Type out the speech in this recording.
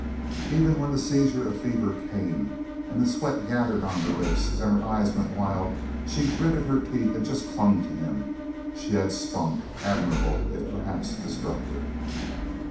Even when the seizure of fever came, and the sweat gathered on her lips, and her eyes went wild, she gritted her teeth and just clung to him. She had spunk admirable, if perhaps destructive.